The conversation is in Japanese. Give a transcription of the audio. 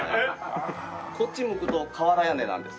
こっち向くと瓦屋根なんですよ。